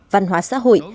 văn hóa xã hội